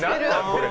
これ。